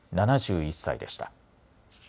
７１歳でした。